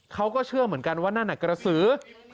เขาก็เชื่อเหมือนกันว่านั่นน่ะกระสือ